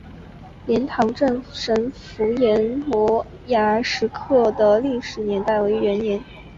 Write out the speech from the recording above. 莲塘镇神符岩摩崖石刻的历史年代为元代。